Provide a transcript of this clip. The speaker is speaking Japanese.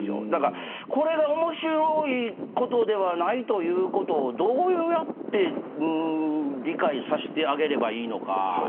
これが面白いことではないということをどうやって理解させてあげればいいのか。